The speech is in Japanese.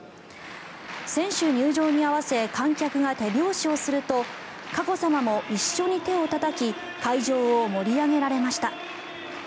選手入場に合わせ観客が手拍子すると佳子さまも一緒に手をたたき会場を盛り上げられました。